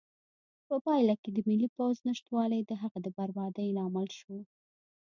په پایله کې د ملي پوځ نشتوالی د هغه د بربادۍ لامل شو.